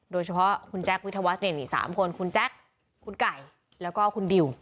โดยเฉพาะคุณแจ๊ควิทวัฒน์๓คนคุณแจ๊คคุณไก่แล้วก็คุณดิว